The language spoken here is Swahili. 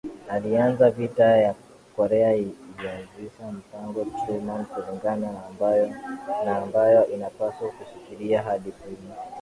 alianza Vita ya Korea ilianzisha mpango Truman kulingana na ambayo inapaswa kushikilia hadi kumi